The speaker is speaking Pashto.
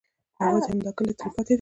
یوازې همدا کلی ترې پاتې دی.